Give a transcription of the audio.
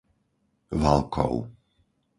Valkov